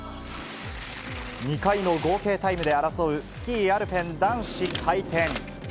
２回の合計タイムで争うスキーアルペン男子回転。